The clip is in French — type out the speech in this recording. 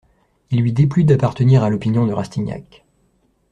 Il lui déplut d'appartenir à l'opinion de Rastignac.